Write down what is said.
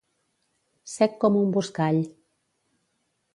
Sec com un buscall.